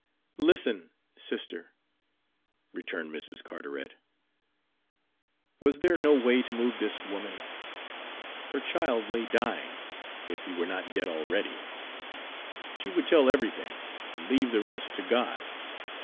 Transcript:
"Listen sister," returned Mrs. Carteret. Was there no way to move this woman? Her child lay dying, if he were not dead already. She would tell everything, and leave the rest to God.